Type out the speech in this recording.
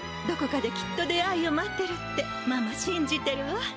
どこかできっと出会いを待ってるってママしんじてるわ。